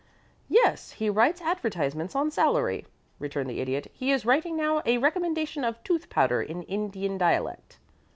"Yes. He writes advertisements on salary," returned the Idiot. "He is writing now a recommendation of tooth powder in Indian dialect."